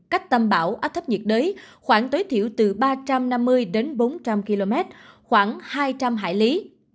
cách tâm áp thấp nhiệt đới khoảng tối thiểu từ ba trăm năm mươi đến bốn trăm linh km khoảng hai trăm linh hải lý